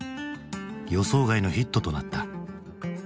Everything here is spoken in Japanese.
予想外のヒットとなった。